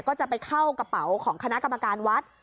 ก็จะไปเข้ากระเป๋าของคณะกรรมการวัด